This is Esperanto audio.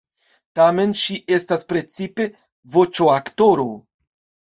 Tamen ŝi estas precipe voĉoaktoro.